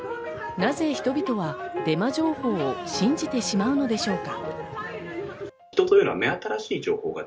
なぜ人々はデマ情報を信じてしまうのでしょうか。